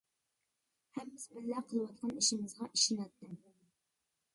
ھەم بىز بىللە قىلىۋاتقان ئىشىمىزغا ئىشىنەتتىم.